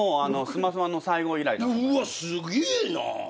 うわっすげえな！